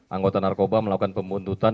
anggota narkoba melakukan pembuntutan